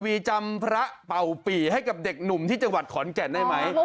จำพระเป่าปีให้กับเด็กหนุ่มที่จังหวัดขอนแก่นได้ไหม